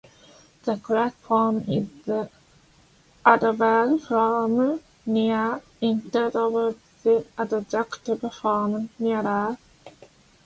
The correct form is the adverb form "near" instead of the adjective form "nearer".